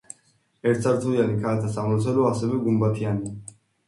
ერთსართულიანი ქალთა სამლოცველო ასევე გუმბათიანია.